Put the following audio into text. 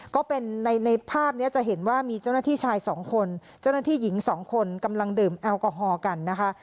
ก็เป็นในภาพนี้จะเห็นว่ามีเจ้าหน้าที่ชายสองคนเจ้าหน้าที่หญิงสองคนกำลังดื่มแอลกอฮอลกันนะคะ